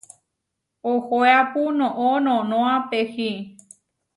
Ohoéapu noʼó noʼnóa pehi.